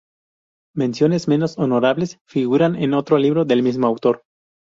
Menciones menos honorables figuran en otro libro del mismo autor.